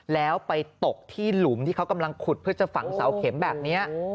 แล้วไปตกที่หลุมที่เขากำลังขุดเพื่อจะฝังเสาเข็มแบบนี้